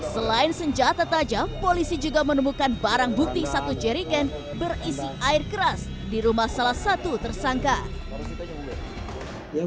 selain senjata tajam polisi juga menemukan barang bukti satu jeriken berisi air keras di rumah salah satu tersangka